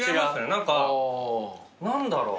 何か何だろう。